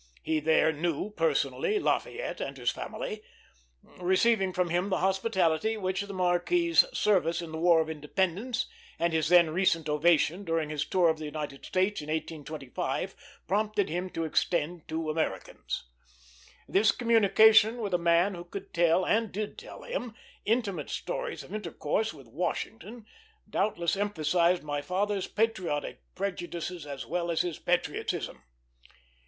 He there knew personally Lafayette and his family; receiving from them the hospitality which the Marquis' service in the War of Independence, and his then recent ovation during his tour of the United States in 1825, prompted him to extend to Americans. This communication with a man who could tell, and did tell him, intimate stories of intercourse with Washington doubtless emphasized my father's patriotic prejudices as well as his patriotism.